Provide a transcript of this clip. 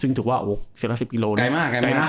ซึ่งถือว่า๑๑๐กิโลเมตร